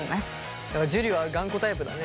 だから樹は頑固タイプだね。